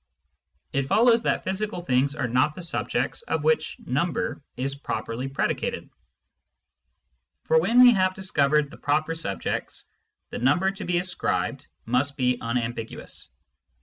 It follows that physical things are not the subjects of which number is properly predicated ; for when we have discovered the proper subjects, the number to be ascribed must be unambiguous.